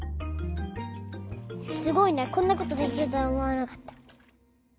すごいねこんなことできるとはおもわなかった。